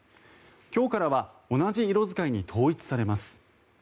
今日からは同じ色使いに統一されます。